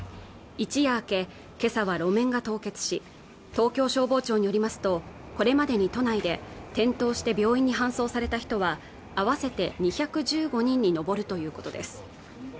一夜明け今朝は路面が凍結し東京消防庁によりますとこれまでに都内で転倒して病院に搬送された人は合わせて２１５人に上るということです